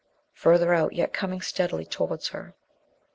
further out, yet coming steadily towards her.